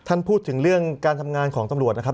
ท่านพูดถึงเรื่องการทำงานของตำรวจนะครับ